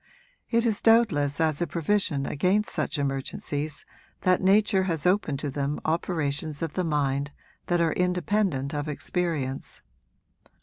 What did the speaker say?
It is doubtless as a provision against such emergencies that nature has opened to them operations of the mind that are independent of experience.